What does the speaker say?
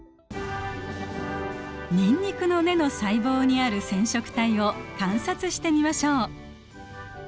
ニンニクの根の細胞にある染色体を観察してみましょう。